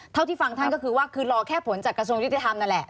เท่าที่ฟังท่านก็คือว่าคือรอแค่ผลจากกระทรวงยุติธรรมนั่นแหละ